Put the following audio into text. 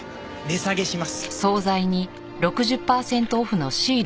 値下げします。